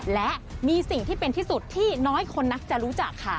และมีสิ่งที่เป็นที่สุดที่น้อยคนนักจะรู้จักค่ะ